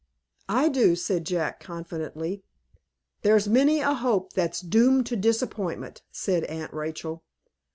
"I do," said Jack, confidently. "There's many a hope that's doomed to disappointment," said Aunt Rachel.